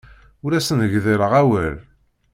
Ur asen-gdileɣ awal.